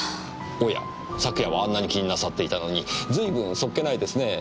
おや昨夜はあんなに気になさっていたのにずいぶん素っ気ないですね。